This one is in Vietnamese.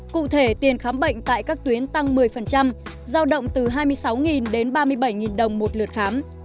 cụ thể tiền khám bệnh tại các tuyến tăng một mươi giao động từ hai mươi sáu đến ba mươi bảy đồng một lượt khám